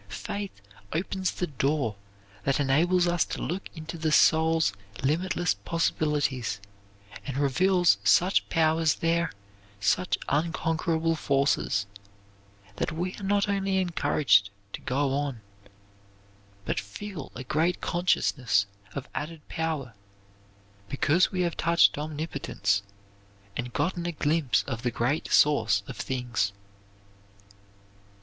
Faith opens the door that enables us to look into the soul's limitless possibilities and reveals such powers there, such unconquerable forces, that we are not only encouraged to go on, but feel a great consciousness of added power because we have touched omnipotence, and gotten a glimpse of the great source of things.